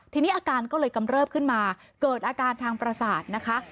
ทีนี้อาการก็เลยกำเริบขึ้นมาเกิดอาการทางประสาทนะคะ